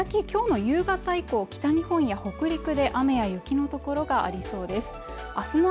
きょうの夕方以降北日本や北陸で雨や雪の所がありそうです